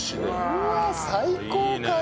うわっ最高かよ！